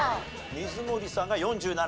水森さんが４７。